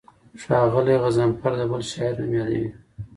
ښاغلی غضنفر د بل شاعر نوم یادوي.